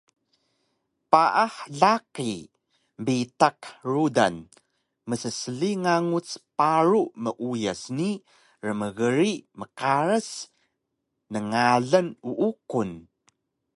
Paah laqi bitaq rudan mssli nganguc paru meuyas ni rmgrig mqaras nngalan uuqun